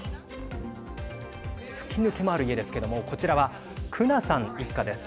吹き抜けもある家ですけどもこちらは、クナさん一家です。